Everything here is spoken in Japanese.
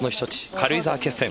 軽井沢決戦